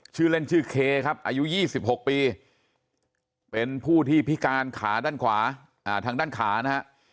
ชื่อเล่นชื่อเคครับอายุ๒๖ปีเป็นผู้ที่พิการทางด้านขานะครับ